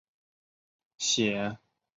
苔藓学科学研究的植物学分支。